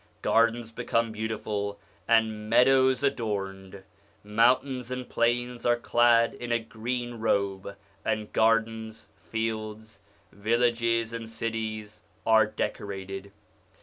Gardens become beautiful, and meadows adorned ; mountains and plains are clad in a green robe, and gardens, fields, villages, and cities are decorated.